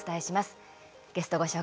ゲストご紹介します。